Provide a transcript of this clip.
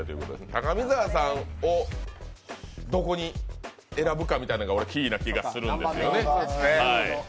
高見沢さんをどこに選ぶかみたいなのがキーな気がするんですけどね。